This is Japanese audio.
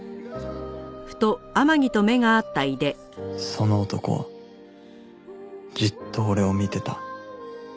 その男はじっと俺を見てた